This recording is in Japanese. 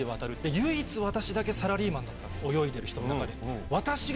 唯一私だけサラリーマン泳いでる人の中で。